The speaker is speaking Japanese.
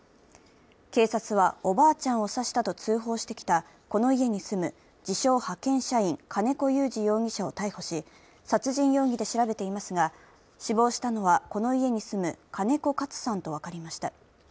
警察は、おばあちゃんを刺したと通報してきたこの家に住む自称・派遣社員、金子祐治容疑者を逮捕し殺人容疑で調べていますが、死亡したのはこの家に住む金子カツさんと分かりました。